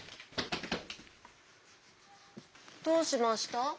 どうしました？